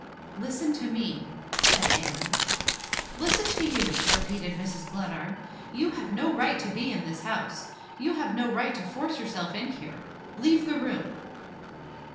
"Listen to me," said Anne. "Listen to you?" repeated Mrs. Glenarm. "You have no right to be in this house. You have no right to force yourself in here. Leave the room!"